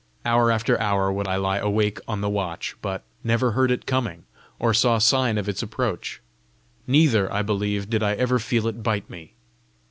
Hour after hour would I lie awake on the watch, but never heard it coming, or saw sign of its approach. Neither, I believe, did I ever feel it bite me.